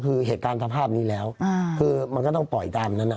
คือเหตุการณ์สภาพนี้แล้วคือมันก็ต้องปล่อยตามนั้น